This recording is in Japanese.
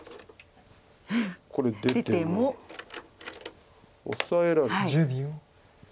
これ出てもオサえられて。